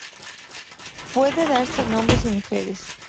Puede darse en hombres y mujeres.